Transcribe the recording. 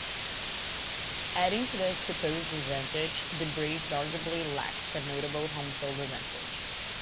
Adding to their supposed disadvantages, the Braves arguably lacked a notable home-field advantage.